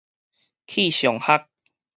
氣象學